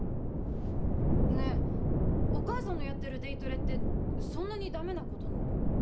ねえお母さんのやってるデイトレってそんなにダメなことなの？